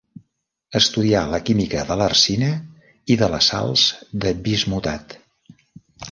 Estudià la química de l'arsina i de les sals de bismutat.